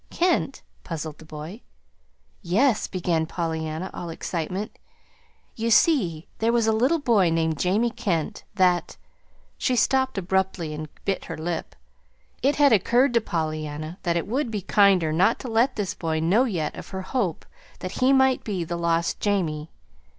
"'Kent'?" puzzled the boy. "Yes," began Pollyanna, all excitement. "You see, there was a little boy named Jamie Kent that " She stopped abruptly and bit her lip. It had occurred to Pollyanna that it would be kinder not to let this boy know yet of her hope that he might be the lost Jamie.